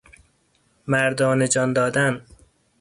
مردانه جان دادن